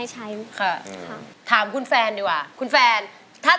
ใช้ไหมคะ